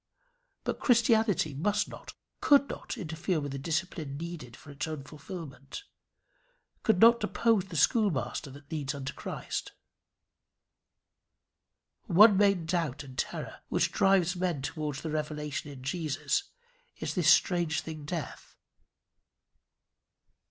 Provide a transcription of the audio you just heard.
But Christianity must not, could not interfere with the discipline needful for its own fulfilment, could not depose the schoolmaster that leads unto Christ. One main doubt and terror which drives men towards the revelation in Jesus, is this strange thing Death.